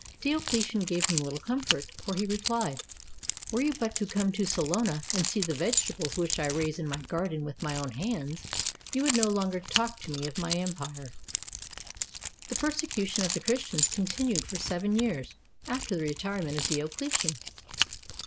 Dio cletian gave him little comfort, for he replied, "Were you but to come to Salona and see the vegetables which I raise in my garden with my own hands, you would no longer talk to me of empire. The persecution of the Christians continued for seven years after the retirement of Diocletian.